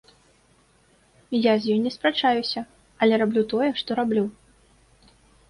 Я з ёй не спрачаюся, але раблю тое, што раблю.